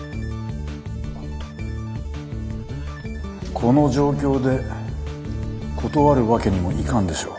この状況で断るわけにもいかんでしょう。